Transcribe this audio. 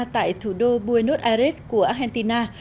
tại thủ đô buenos aires của argentina